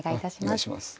お願いします。